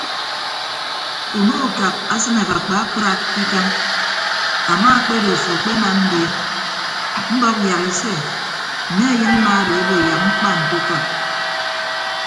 Ume ukak asịn abakpa akpraak ke ikañ ama akpedo afo akpenam die mbọk yak ise mme ayịn mma odo obo yak mkpa nte ukọd.